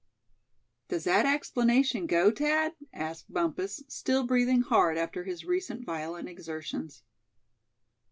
"Does that explanation go, Thad?" asked Bumpus, still breathing hard after his recent violent exertions.